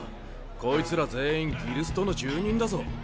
こいつら全員ギルストの住人だぞ。